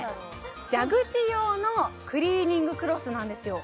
蛇口用のクリーニングクロスなんですよ